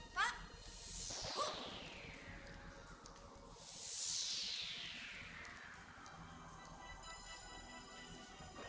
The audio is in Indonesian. mampus mampus mampus mampus